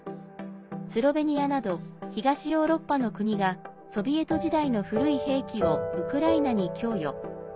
スロベニアなど東ヨーロッパの国がソビエト時代の古い兵器をウクライナに供与。